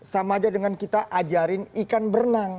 sama aja dengan kita ajarin ikan berenang